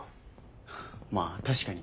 まあ確かに。